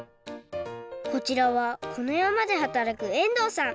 こちらはこのやまではたらく遠藤さん。